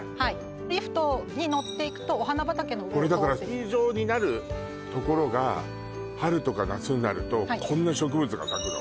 リフトに乗っていくとお花畑のこれだからスキー場になるところが春とか夏になるとこんな植物が咲くの？